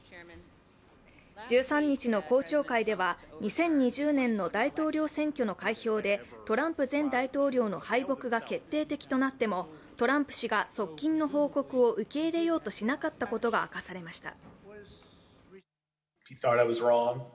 １３日の公聴会では２０２０年の大統領選挙の開票でトランプ前大統領の敗北が決定的となってもトランプ氏が側近の報告を受け入れようとしなかったことが明かされました。